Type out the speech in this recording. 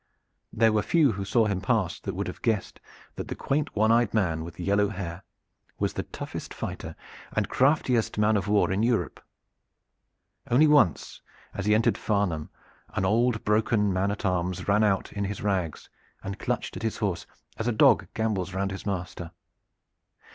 There were few who saw him pass that would have guessed that the quaint one eyed man with the yellow hair was the toughest fighter and craftiest man of war in Europe. Once only, as he entered Farnham, an old broken man at arms ran out in his rags and clutched at his horse as a dog gambols round his master.